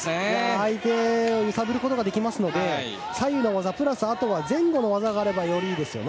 相手を揺さぶることができますので左右の技プラス、前後の技があればよりいいですよね。